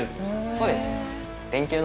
そうです。